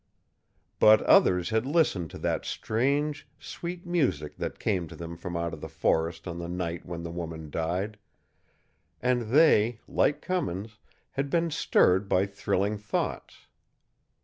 But others had listened to that strange, sweet music that came to them from out of the forest on the night when the woman died, and they, like Cummins, had been stirred by thrilling thoughts.